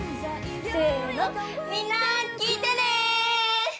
せぇのみんな聴いてね！